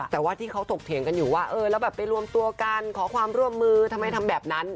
แต่ว่าที่เขาถกเถียงกันอยู่ว่าเออแล้วแบบไปรวมตัวกันขอความร่วมมือทำไมทำแบบนั้น